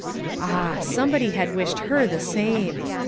Ah ! somebody had wished her the same.